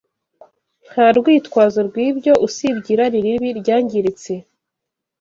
Nta rwitwazo rw’ibyo usibye irari ribi, ryangiritse.